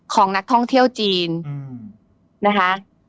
ของนักท่องเที่ยวจีนนะคะ